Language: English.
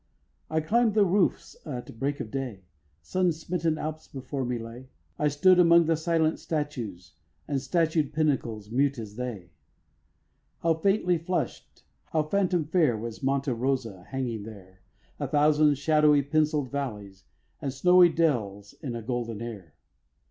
I climb'd the roofs at break of day; Sun smitten Alps before me lay. I stood among the silent statues, And statued pinnacles, mute as they. How faintly flush'd, how phantom fair, Was Monte Rosa, hanging there A thousand shadowy pencill'd valleys And snowy dells in a golden air.